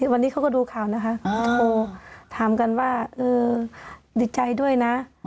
วันนี้เขาก็ดูข่าวนะคะถามกันว่าเออดีใจด้วยนะ